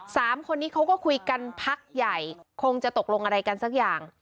สามคนนี้เขาก็คุยกันพักใหญ่คงจะตกลงอะไรกันสักอย่าง